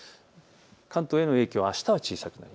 関東への影響はあしたは小さくなる。